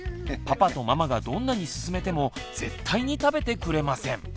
パパとママがどんなにすすめても絶対に食べてくれません。